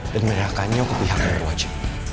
dan menerakannya ke pihak mereka